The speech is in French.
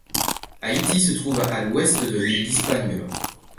Haïti se trouve à l'ouest de l'île d'Hispaniola.